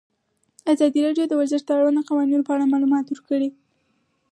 ازادي راډیو د ورزش د اړونده قوانینو په اړه معلومات ورکړي.